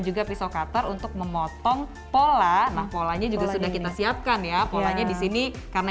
juga pisau cutter untuk memotong pola nah polanya juga sudah kita siapkan ya polanya di sini karena